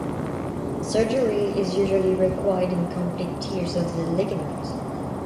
Surgery is usually required in complete tears of the ligament.